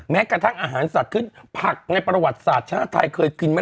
แม้กระทั่งอาหารสัตว์ขึ้นผักในประวัติศาสตร์ชาติไทยเคยกินไหม